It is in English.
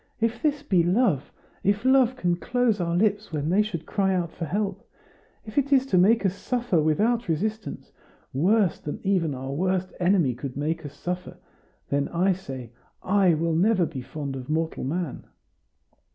If this be love if love can close our lips when they should cry out for help if it is to make us suffer without resistance, worse than even our worst enemy could make us suffer then, I say, I never will be fond of mortal man."